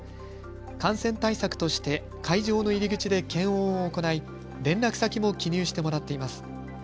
感染対策として会場の入り口で検温を行い、連絡先も記入してもらっています。